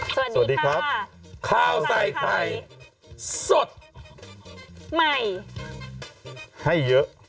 สวัสดีครับข้าวใส่ไข่สดใหม่ให้เยอะ